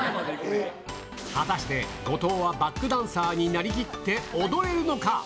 果たして、後藤はバックダンサーになりきって踊れるのか。